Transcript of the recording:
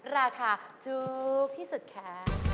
ราคาถูกที่สุดค่ะ